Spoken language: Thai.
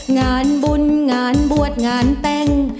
งานบุญงานบวชงานแต่ง